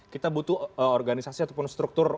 kita butuh organisasi ataupun struktur